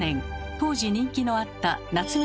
当時人気のあった夏目